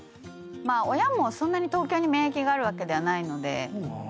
親もそんなに東京に免疫があるわけではないので。